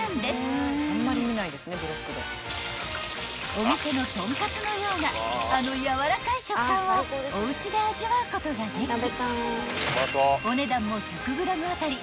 ［お店のトンカツのようなあのやわらかい食感をおうちで味わうことができお値段も］